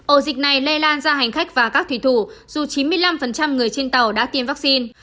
ổ dịch này lây lan ra hành khách và các thủy thủ dù chín mươi năm người trên tàu đã tiêm vaccine